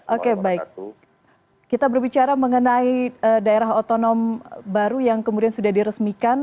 oke baik kita berbicara mengenai daerah otonom baru yang kemudian sudah diresmikan